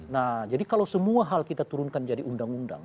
nah jadi kalau semua hal kita turunkan jadi undang undang